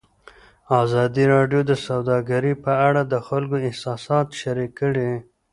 ازادي راډیو د سوداګري په اړه د خلکو احساسات شریک کړي.